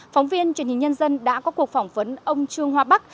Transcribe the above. phóng viên truyền hình nhân dân đã có cuộc phỏng vấn ông trương hoa bắc